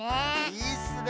いいっすね！